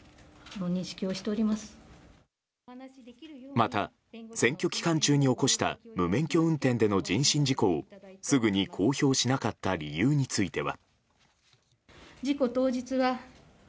また選挙期間中に起こした無免許運転での人身事故をすぐに公表しなかった理由については。